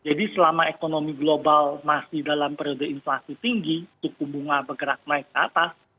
jadi selama ekonomi global masih dalam periode inflasi tinggi suku bunga bergerak naik ke atas